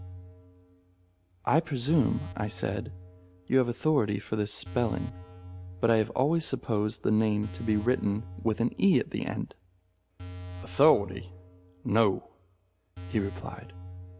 "I presume," I said, "you have authority for this spelling, but I have always supposed the name to be written with an e at the end." "Authority?—no," he replied.